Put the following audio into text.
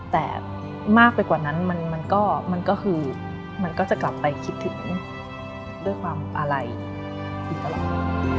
แต่มากไปกว่านั้นมันก็คือมันก็จะกลับไปคิดถึงด้วยความอะไรอยู่ตลอด